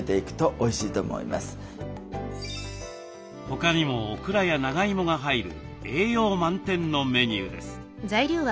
他にもオクラや長いもが入る栄養満点のメニューです。